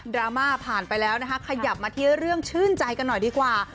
ราม่าผ่านไปแล้วนะคะขยับมาที่เรื่องชื่นใจกันหน่อยดีกว่า